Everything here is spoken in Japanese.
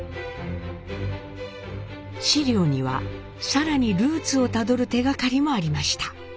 史料には更にルーツをたどる手がかりもありました。